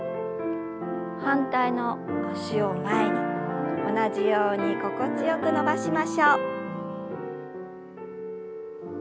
反対の脚を前に同じように心地よく伸ばしましょう。